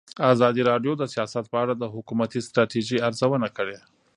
ازادي راډیو د سیاست په اړه د حکومتي ستراتیژۍ ارزونه کړې.